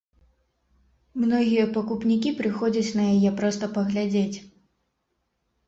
Многія пакупнікі прыходзяць на яе проста паглядзець.